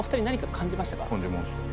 感じました。